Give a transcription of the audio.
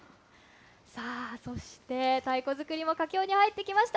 さあ、そして太鼓作りも佳境に入ってきました。